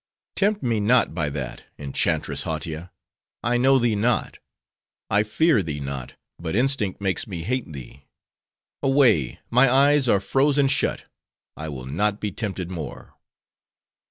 tempt me not by that, enchantress! Hautia! I know thee not; I fear thee not; but instinct makes me hate thee. Away! my eyes are frozen shut; I will not be tempted more."